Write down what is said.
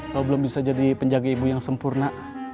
kau belum bisa jadi penjaga ibu yang sempurna